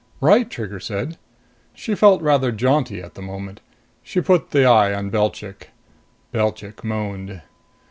"Right," Trigger said. She felt rather jaunty at the moment. She put the eye on Belchik. Belchik moaned.